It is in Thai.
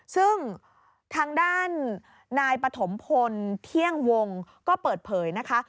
ซึ่งทางด้านนายปฐมพลเที่ยงวงก็เปิดเผยนะคะ